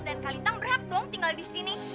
dan kak lintang berhak dong tinggal di sini